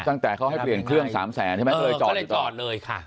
ตั้งแต่เขาให้เปลี่ยนเครื่องสามแสนใช่ไหมก็เลยจอดอีกต่อจอดเลยค่ะ